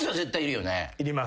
いります。